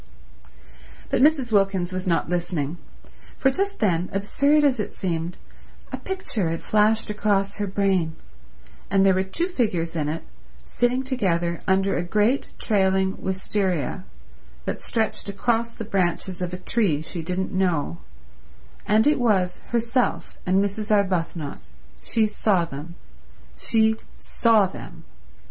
But Mrs. Wilkins was not listening; for just then, absurd as it seemed, a picture had flashed across her brain, and there were two figures in it sitting together under a great trailing wisteria that stretched across the branches of a tree she didn't know, and it was herself and Mrs. Arbuthnot—she saw them—she saw them.